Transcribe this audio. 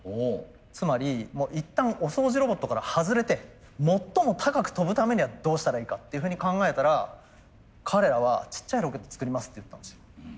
つまり一旦お掃除ロボットから外れて最も高く飛ぶためにはどうしたらいいかっていうふうに考えたら彼らは「ちっちゃいロケット作ります」って言ったんですよ。